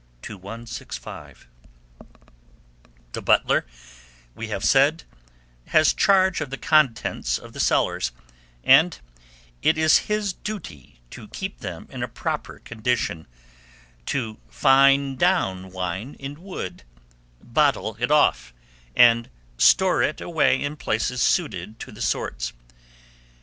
2165. The butler, we have said, has charge of the contents of the cellars, and it is his duty to keep them in a proper condition, to fine down wine in wood, bottle it off, and store it away in places suited to the sorts.